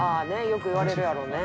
よく言われるやろうね」